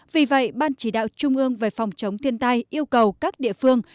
vì vậy ban chỉ đạo trung ương về phòng chống thiên tai yêu cầu các địa phương